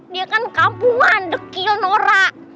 dia kan kampungan dekil norak